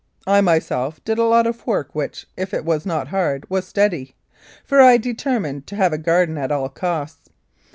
I myself did a lot of work which, if it was not hard, was steady, for I determined to have a garden at all costs.